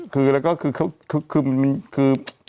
คือแล้วก็คือ